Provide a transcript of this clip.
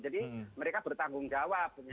jadi mereka bertanggung jawab